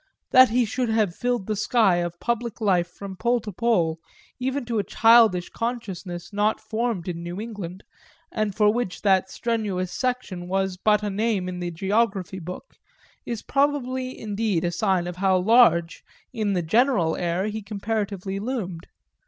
That he should have filled the sky of public life from pole to pole, even to a childish consciousness not formed in New England and for which that strenuous section was but a name in the geography book, is probably indeed a sign of how large, in the general air, he comparatively loomed.